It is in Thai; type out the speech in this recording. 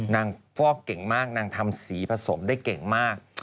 ฟอกเก่งมากนางทำสีผสมได้เก่งมาก